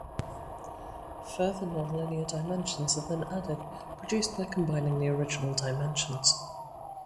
Further nonlinear dimensions are then added, produced by combining the original dimensions.